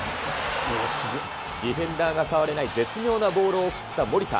ディフェンダーが触れない絶妙なボールを送った守田。